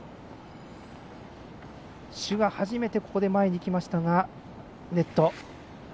朱が初めて前に出ましたがネット。